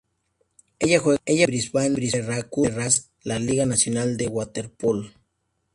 Ella juega en Brisbane Barracudas en la Liga Nacional del Waterpolo.